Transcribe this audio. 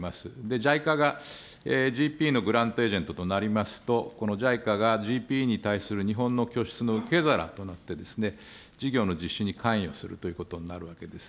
ＪＩＣＡがＧＰＥのグラントエージェントとなりますと、このＪＩＣＡがＧＰＥに対する日本の拠出の受け皿となって、事業の実施に関与するということになるわけです。